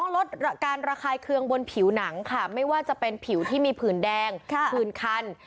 ลดการระคายเคืองบนผิวหนังค่ะไม่ว่าจะเป็นผิวที่มีผื่นแดงผื่นคัน